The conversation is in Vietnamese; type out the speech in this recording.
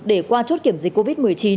để qua chốt kiểm dịch covid một mươi chín